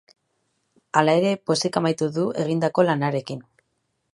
Hala ere, pozik amaitu du egindako lanarekin.